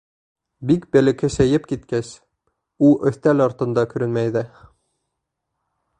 Бик бәләкәсәйеп киткәс, ул өҫтәл артында күренмәй ҙә.